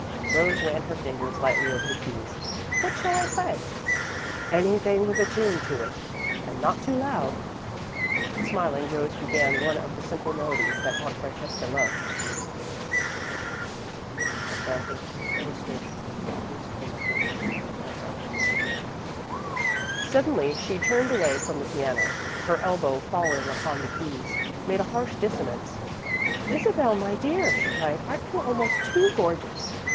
Rose ran her fingers lightly over the keys. "What shall I play?" "Anything with a tune to it, and not too loud." Smiling, Rose began one of the simple melodies that Aunt Francesca loved: [Illustration: musical notation] Suddenly, she turned away from the piano. Her elbow, falling upon the keys, made a harsh dissonance. "Isabel, my dear!" she cried. "Aren't you almost too gorgeous?"